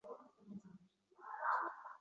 Xali uzoq iillar yonimda bulgin